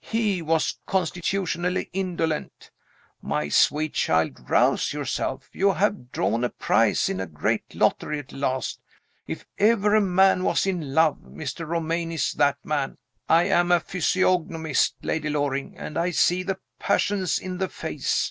He was constitutionally indolent. My sweet child, rouse yourself. You have drawn a prize in the great lottery at last. If ever a man was in love, Mr. Romayne is that man. I am a physiognomist, Lady Loring, and I see the passions in the face.